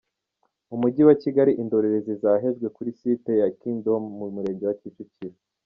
Mu mujyi wa Kigali Indorerezi zahejwe kuri site ya Kingdom mu Murenge wa Kicukiro.